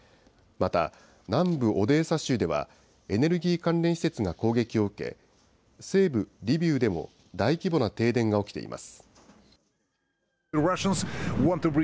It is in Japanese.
また、南部オデーサ州では、エネルギー関連施設が攻撃を受け、西部リビウでも大規模な停電が起きています。